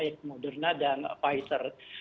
yaitu moderna dan pfizer